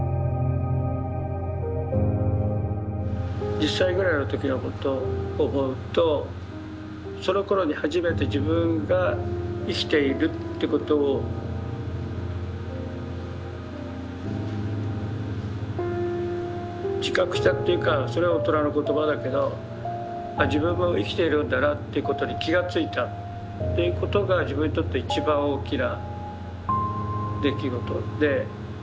１０歳ぐらいの時のことを思うとそのころに初めて自分が生きているってことを自覚したというかそれは大人の言葉だけど自分も生きているんだなということに気が付いたということが自分にとって一番大きな出来事で。